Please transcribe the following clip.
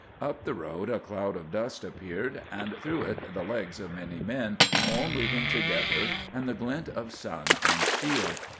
Up the road a cloud of dust appeared and through it the legs of many men all moving together and the glint of sun on steel.